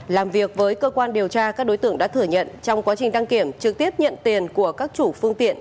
làm việc với cơ quan điều tra các đối tượng đã thừa nhận trong quá trình đăng kiểm trực tiếp nhận tiền của các chủ phương tiện